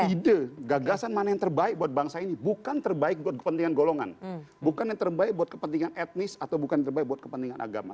ide gagasan mana yang terbaik buat bangsa ini bukan terbaik buat kepentingan golongan bukan yang terbaik buat kepentingan etnis atau bukan yang terbaik buat kepentingan agama